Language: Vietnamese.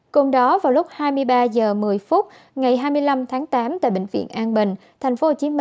cùng đó vào lúc hai mươi ba h một mươi phút ngày hai mươi năm tháng tám tại bệnh viện an bình tp hcm